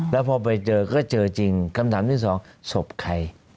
แล้วพอไปเจอก็เจอจริงคำถามที่สองศพใคร